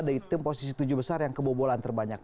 dari tim posisi tujuh besar yang kebobolan terbanyak